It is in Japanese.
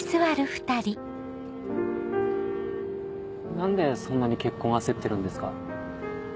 何でそんなに結婚焦ってるんですか？